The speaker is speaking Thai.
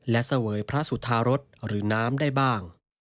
และเสวยพระสุธารสหรือน้ำได้บ้าง